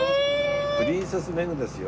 プリンセス・メグですよ。